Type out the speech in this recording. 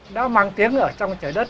đã mang tiếng ở trong trời đất